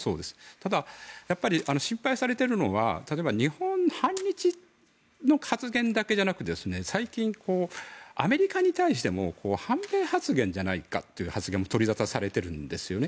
ただ、心配されているのは例えば反日の発言だけじゃなく最近、アメリカに対しても反米発言じゃないかという発言も取りざたされてるんですね。